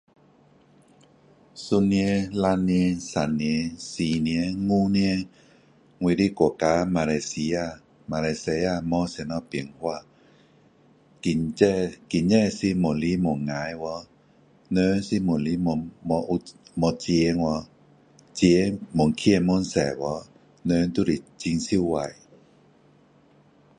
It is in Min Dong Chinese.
一年两年三年四年五年我的国家马来西亚没有什么变化经济上是越来越坏去人是越来越没有钱去